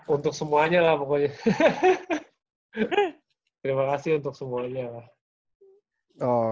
untuk semuanya lah pokoknya